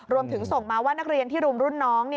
รวมถึงส่งมาว่านักเรียนที่รุมรุ่นน้อง